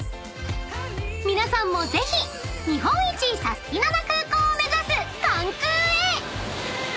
［皆さんもぜひ日本一サスティな！な空港を目指す関空へ！］